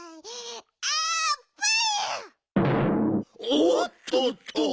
おっとっと。